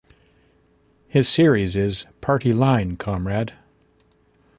His series Is Party Line, Comrade!